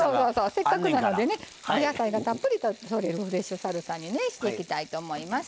せっかくなのでねお野菜がたっぷりとれるフレッシュサルサにねしていきたいと思います。